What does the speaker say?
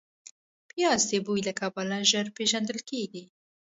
پیاز د بوی له کبله ژر پېژندل کېږي